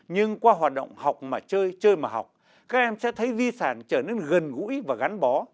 nhưng qua hoạt động học mà chơi chơi mà học các em sẽ thấy di sản trở nên gần gũi và gắn bó